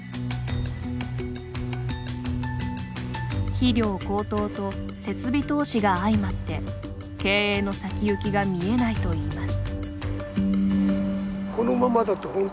肥料高騰と設備投資があいまって経営の先行きが見えないといいます。